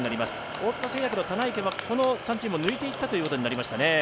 大塚製薬の棚池はこの３チームを抜いていったということになりましたね。